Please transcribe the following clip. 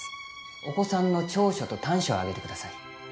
お子さんの長所と短所を挙げてください。